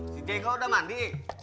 si jeko udah mandi